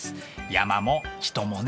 山も人もね。